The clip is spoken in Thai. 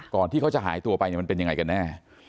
ก่อนที่เขาจะหายตัวไปมันเป็นยังไงกันแน่